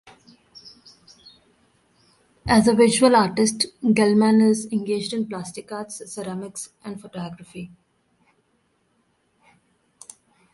As a visual artist Geldman is engaged in plastic arts, ceramics and photography.